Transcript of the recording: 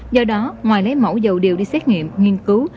do đó ngoài lấy mẫu dầu đều đi xét nghiệm nghiên cứu